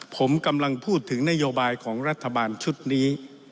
ผมกำลังพูดถึงนโยบายของรัฐบาลชุดนี้